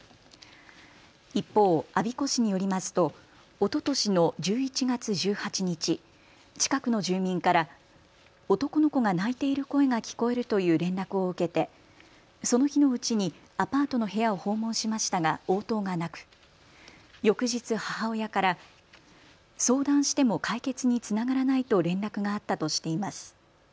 一方、我孫子市によりますとおととしの１１月１８日、近くの住民から男の子が泣いている声が聞こえるという連絡を受けてその日のうちにアパートの部屋を訪問しましたが応答がなく翌日、母親から相談しても解決につながらないと連絡があったとしています。